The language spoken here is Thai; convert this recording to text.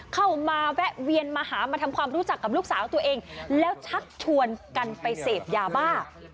แวะเวียนมาหามาทำความรู้จักกับลูกสาวตัวเองแล้วชักชวนกันไปเสพยาบ้า